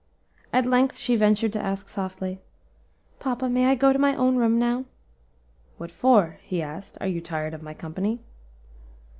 At length she ventured to ask softly, "Papa, may I go to my own room now?" "What for?" he asked; "are you tired of my company?"